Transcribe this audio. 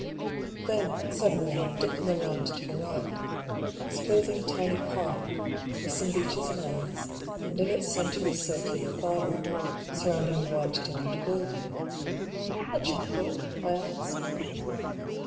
Then, suddenly, a dip in the land to the right, dis closing a tiny park, with some beeches and elms, and in its centre a circular garden, surrounding a white domed building. "A chapel ?" I asked.